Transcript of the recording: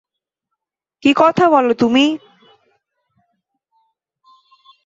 কী কথা বল তুমি।